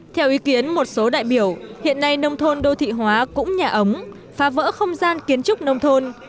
theo ý kiến một số đại biểu hiện nay nông thôn đô thị hóa cũng nhà ống phá vỡ không gian kiến trúc nông thôn